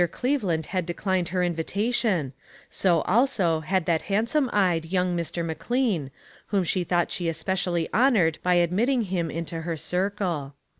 Cleveland had declined her invitation; so, also, had that handsome eyed, young Mr. McLean, whom she thought she especially honored by admitting him into her circle.